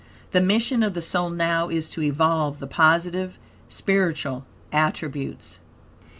The mission of the soul now is to evolve the positive, spiritual attributes.